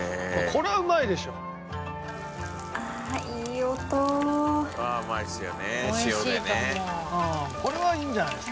これはいいんじゃないですか？